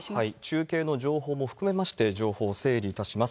中継の情報も含めまして、情報を整理いたします。